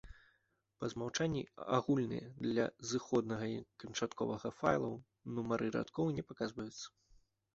Па змаўчанні, агульныя для зыходнага і канчатковага файлаў нумары радкоў не паказваюцца.